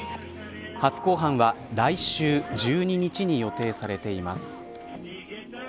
初公判は来週１２日に予定されています。